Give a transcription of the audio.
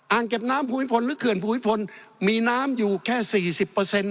เก็บน้ำภูมิพลหรือเขื่อนภูมิพลมีน้ำอยู่แค่สี่สิบเปอร์เซ็นต